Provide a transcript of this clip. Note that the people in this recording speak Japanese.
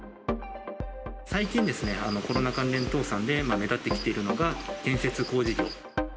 最近ですね、コロナ関連倒産で目立ってきているのが、建設・工事業。